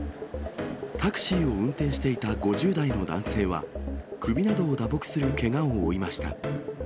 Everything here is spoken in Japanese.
タクシーを運転していた５０代の男性は、首などを打撲するけがを負いました。